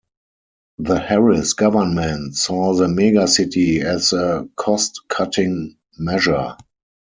The Harris government saw the megacity as a cost-cutting measure.